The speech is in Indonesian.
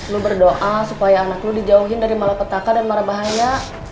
lo berdoa supaya anak lo dijauhin dari malapetaka dan marabahaya